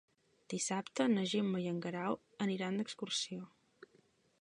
Dissabte na Gemma i en Guerau aniran d'excursió.